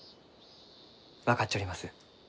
分かっちょります。